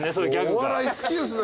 お笑い好きですね。